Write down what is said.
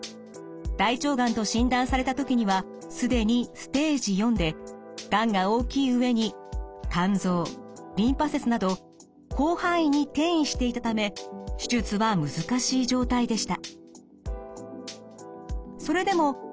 大腸がんと診断された時には既にステージ４でがんが大きい上に肝臓リンパ節など広範囲に転移していたため手術は難しい状態でした。